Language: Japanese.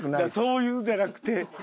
そういうんじゃなくて。